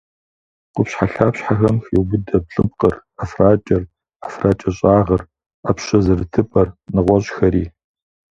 Къупщхьэлъапщхьэм хеубыдэ блыпкъыр, ӏэфракӏэр, ӏэфракӏэщӏагъыр, ӏэпщэ зэрытыпӏэр, нэгъуэщӏхэри.